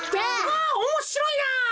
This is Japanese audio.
わおもしろいな。